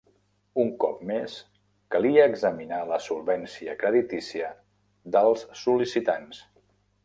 Un cop més, calia examinar la solvència creditícia dels sol·licitants.